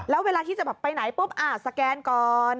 แล้วเวลาที่จะแบบไปไหนปุ๊บสแกนก่อน